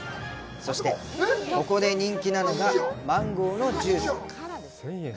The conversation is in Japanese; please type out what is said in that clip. そして、ここで人気なのがマンゴーのジュース。